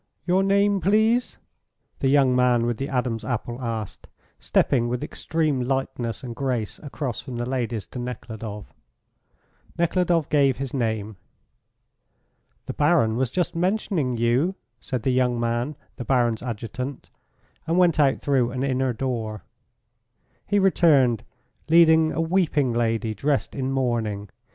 "Your name, please?" the young man with the Adam's apple asked, stepping with extreme lightness and grace across from the ladies to Nekhludoff. Nekhludoff gave his name. "The Baron was just mentioning you," said the young man, the Baron's adjutant, and went out through an inner door. He returned, leading a weeping lady dressed in mourning.